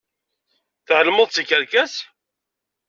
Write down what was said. Tεelmeḍ d tikerkas.